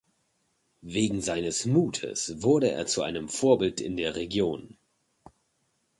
Wegen seines Mutes wurde er zu einem Vorbild in der Region.